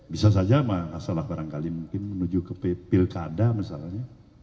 bisa saja masalah barangkali mungkin menuju ke pilkada misalnya